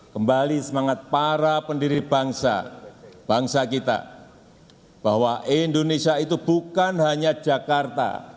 kembali semangat para pendiri bangsa bangsa kita bahwa indonesia itu bukan hanya jakarta